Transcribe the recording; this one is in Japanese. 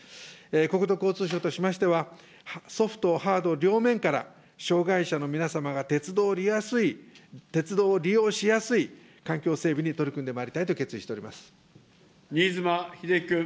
国土交通省としましては、ソフト、ハード両面から、障害者の皆様が鉄道を利用しやすい環境整備に取り組んでまいりた新妻秀規君。